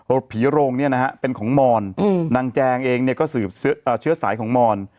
ผีโรงเนี่ยนะฮะเป็นของมอนนางแจงเองเนี่ยก็สืบเชื้อสายของมอน